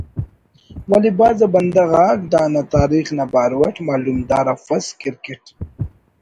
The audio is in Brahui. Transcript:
ولے بھاز آ بندغ آ ک دا نا تاریخ نا باور اٹ معلومدار افس کرکٹ